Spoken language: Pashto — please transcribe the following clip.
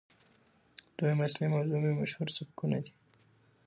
دويمه اصلي موضوع مې مشهورسبکونه دي